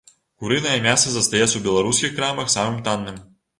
Курынае мяса застаецца ў беларускіх крамах самым танным.